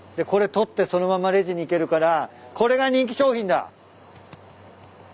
これ取ってそのままレジに行けるからこれが人気商品だ。